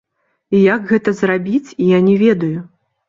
Як гэта зрабіць, я не ведаю.